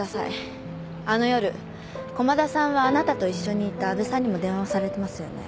あの夜駒田さんはあなたと一緒にいた安部さんにも電話をされてますよね？